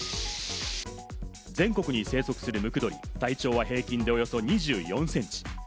全国に生息するムクドリ、体長は平均で２４センチ。